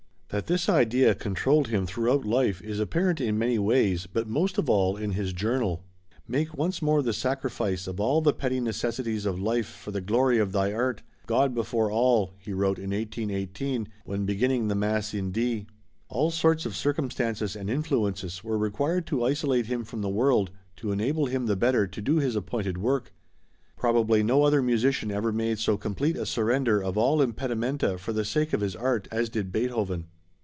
That this idea controlled him throughout life, is apparent in many ways, but most of all in his journal. "Make once more the sacrifice of all the petty necessities of life for the glory of thy art. God before all," he wrote in 1818, when beginning the Mass in D. All sorts of circumstances and influences were required to isolate him from the world to enable him the better to do his appointed work. Probably no other musician ever made so complete a surrender of all impedimenta for the sake of his art as did Beethoven.